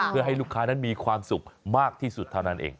เพื่อให้ลูกค้านั้นมีความสุขมากที่สุดเท่านั้นเอง